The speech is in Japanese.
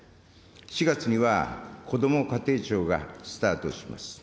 ４月にはこども家庭庁がスタートします。